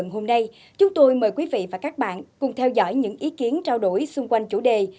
hôm nay chúng tôi mời quý vị và các bạn cùng theo dõi những ý kiến trao đổi xung quanh chủ đề